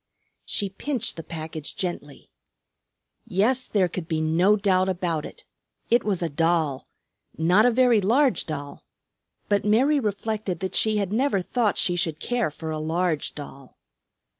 She pinched the package gently. Yes, there could be no doubt about it. It was a doll, not a very large doll; but Mary reflected that she had never thought she should care for a large doll.